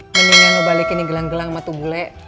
mendingan lu balikin nih gelang gelang sama tubule